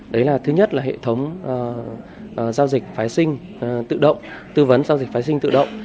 đấy là thứ nhất là hệ thống giao dịch phái sinh tự động tư vấn giao dịch phái sinh tự động